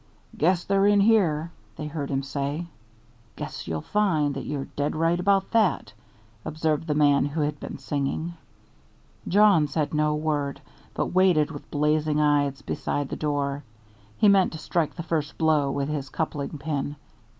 "Guess they're in here," they heard him say. "Guess you'll find that you're dead right about that," observed the man who had been singing. Jawn said no word, but waited with blazing eyes beside the door. He meant to strike the first blow with his coupling pin.